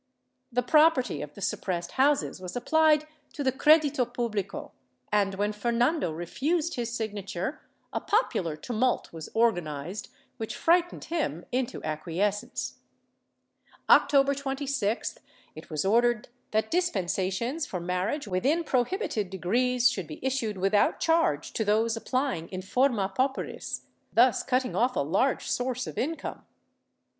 The property of the suppressed houses was apphed to the Credito publico and, when Fernando refused his signature, a popular tumult was organized which frightened him into acquies cence. October 26th it was ordered that dispensations for mar riage within prohibited degrees should be issued without charge 440 DECADENCE AND EXTINCTION [Book IX to those applying in jorma pauperis, thus cutting off a large source of income.